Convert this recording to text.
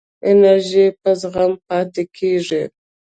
انرژی په زغم پاتې کېږي.